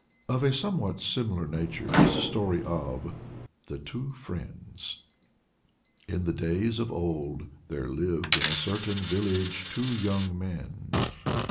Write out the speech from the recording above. Of a somewhat similar nature is the story of THE TWO FRIENDS. In the days of old there lived in a certain village two young men.